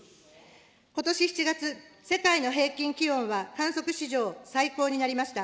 ことし７月、世界の平均気温は観測史上最高になりました。